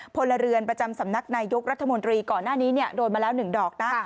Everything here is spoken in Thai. พลเรือนประจำสำนักนายยกรัฐมนตรีก่อนหน้านี้โดนมาแล้ว๑ดอกนะ